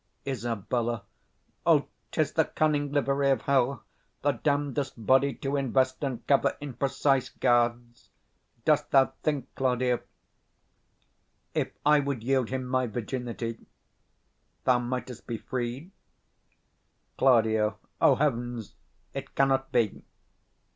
Isab. O, 'tis the cunning livery of hell, The damned'st body to invest and cover In prenzie guards! Dost thou think, Claudio? If I would yield him my virginity, 95 Thou mightst be freed. Claud. O heavens! it cannot be.